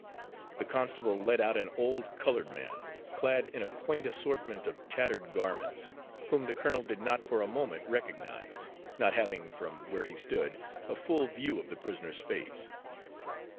The constable led out an old coloured man, clad in a quaint assortment of tattered garments, whom the colonel did not for a moment recognise, not having, from where he stood, a full view of the prisoner's face.